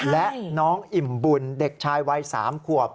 และน้องอิ่มบุญเด็กชายวัย๓ขวบ